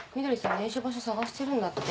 練習場所探してるんだって。